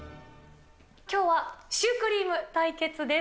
きょうはシュークリーム対決です。